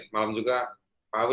malam juga pak awi